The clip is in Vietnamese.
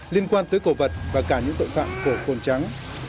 liên quan tới cổ vật và cả những tội phạm của khổn trắng